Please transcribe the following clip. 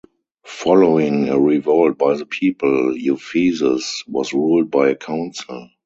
Following a revolt by the people, Ephesus was ruled by a council.